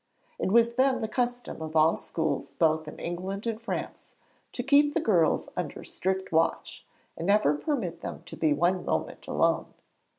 It was then the custom of all schools both in England and France to keep the girls under strict watch, and never permit them to be one moment alone.